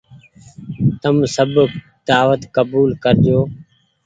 تم سب دآوت ڪبول ڪرجو۔